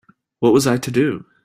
What was I to do?